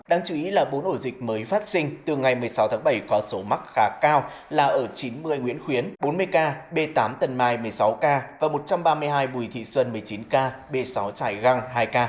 đáng chú ý là bốn ổ dịch mới phát sinh từ ngày một mươi sáu tháng bảy có số mắc khá cao là ở chín mươi nguyễn khuyến bốn mươi k b tám tầng mai một mươi sáu k và một trăm ba mươi hai bùi thị xuân một mươi chín k b sáu trải găng hai k